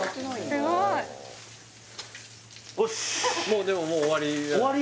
もうでももう終わりじゃない？